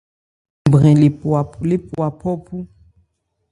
Ńbi nbrɛn le pwa phɔ̂ phú.